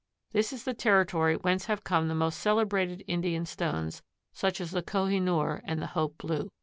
This is the territory whence have come the most celebrated Indian stones, such as the Kohinoor and the Hope Blue.